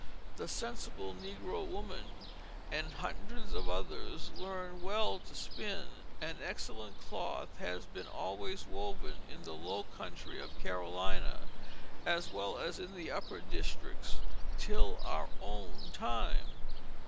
The sensible negro woman and hundreds of others learned well to spin, and excellent cloth has been always woven in the low country of Carolina, as well as in the upper districts, till our own time.